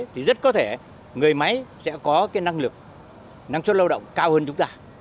thì rất có thể người máy sẽ có cái năng lực năng suất lao động cao hơn chúng ta